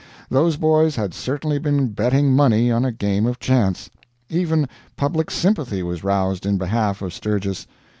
Those boys had certainly been betting money on a game of chance. Even public sympathy was roused in behalf of Sturgis.